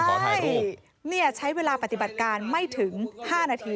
ความ์ใช่เวลาปฏิบัติกาลไม่ถึง๕นาที